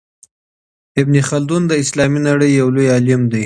ابن خلدون د اسلامي نړۍ يو لوی عالم دی.